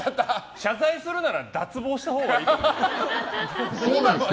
謝罪するなら脱帽したほうがいいと思うよ。